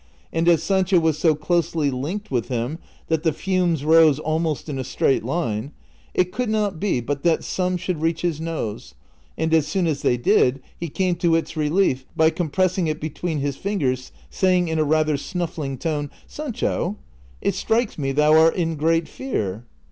and as Saucho was so closely linked with him that the fumes rose almost in a straight line, it could not be but that some should reach his nose, and as soon as they did he came to its relief by compressing it between his fingers, saying in a rather snuffling tone, '' Sanclio, it strikes me thou art in great fear."